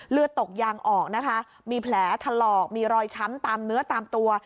เลือดตกยางออกนะคะมีแผลถลอกมีรอยช้ำตามเนื้อตามตัว